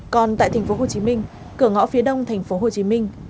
còn tại tp hcm cửa ngõ phía đông tp hcm